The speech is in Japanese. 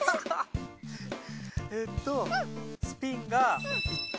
えっとスピンが１点。